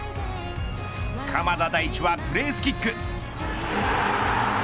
鎌田大地はプレースキック。